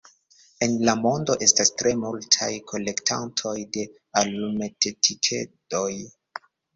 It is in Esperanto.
En la mondo estas tre multaj kolektantoj de alumetetikedoj.